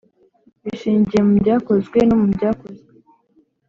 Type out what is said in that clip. Bishingiye mu Byakozwe no mu Byakozwe